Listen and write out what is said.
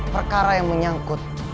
perkara yang menyangkut